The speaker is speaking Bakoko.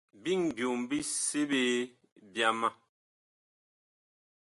Biŋ byom bi seɓe byama.